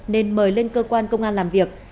nên mời lên cơ quan công an làm việc